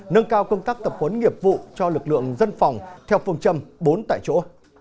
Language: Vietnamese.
nâng cao công tác tập huấn nghiệp vụ cho lực lượng dân phòng theo phương châm bốn tại chỗ